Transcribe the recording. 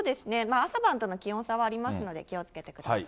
朝晩との気温差はありますので気をつけてください。